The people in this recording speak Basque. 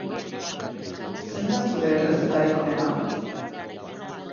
Zein da zure errezetarik onena?